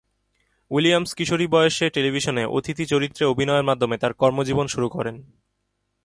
Williams কিশোরী বয়সে টেলিভিশনে অতিথি চরিত্রে অভিনয়ের মাধ্যমে তার কর্মজীবন শুরু করেন।